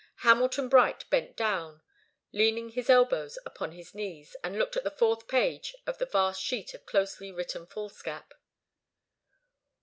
Hamilton Bright bent down, leaning his elbows upon his knees, and looked at the fourth page of the vast sheet of closely written foolscap.